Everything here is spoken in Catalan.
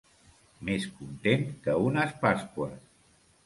Més content que unes pasqües.